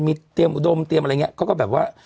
มีเตรียมอุดมเตรียมอะไรอย่างนี้เขาก็แบบว่า